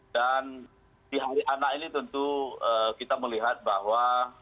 dan di hari anak ini tentu kita melihat bahwa